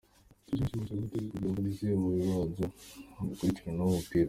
"Tuzozibuza gute kugira ntizije mu bibanza bikinirwamo umupira?" .